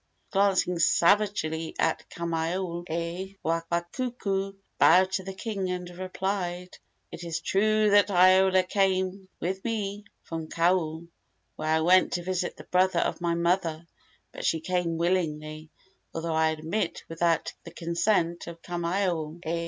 Glancing savagely at Kamaiole, Waikuku bowed to the king and replied: "It is true that Iola came with me from Kau, where I went to visit the brother of my mother; but she came willingly, although I admit without the consent of Kamaiole."